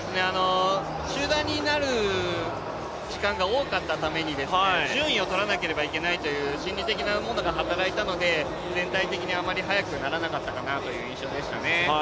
集団になる時間が多かったために順位を取らなければいけないという心理的なモードが働いたので全体的にあまり速くならなかったかなという印象ですね。